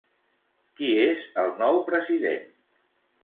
Qui és el nou president?